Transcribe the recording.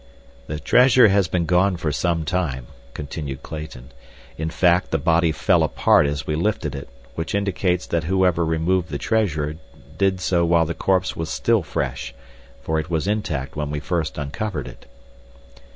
"The treasure has been gone for some time," continued Clayton. "In fact the body fell apart as we lifted it, which indicates that whoever removed the treasure did so while the corpse was still fresh, for it was intact when we first uncovered it."